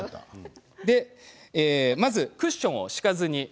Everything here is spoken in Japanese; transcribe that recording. まずクッションを敷かずに。